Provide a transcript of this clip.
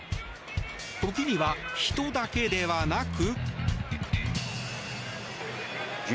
時には人だけではなく。